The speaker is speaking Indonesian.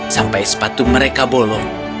sampai sepatu mereka bolong